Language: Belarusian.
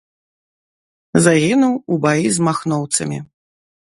Загінуў у баі з махноўцамі.